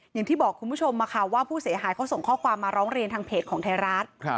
อย่างที่บอกคุณผู้ชมว่าผู้เสียหายเขาส่งข้อความมาร้องเรียนทางเพจของไทยรัฐ